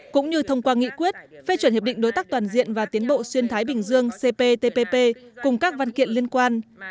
cũng như thông qua nghị quyết phê chuẩn hiệp định đối tác toàn diện và tiến bộ xuyên thái bình dương cptpp cùng các văn kiện liên quan